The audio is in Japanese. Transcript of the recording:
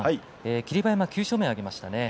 霧馬山、９勝目を挙げました。